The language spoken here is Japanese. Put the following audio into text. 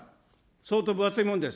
相当分厚いものです。